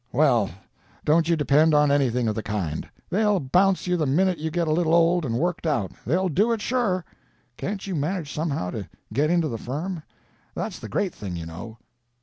Well, don't you depend on anything of the kind. They'll bounce you the minute you get a little old and worked out; they'll do it sure. Can't you manage somehow to get into the firm? That's the great thing, you know."